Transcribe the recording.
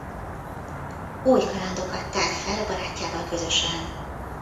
Új kalandokat tár fel a barátjával közösen.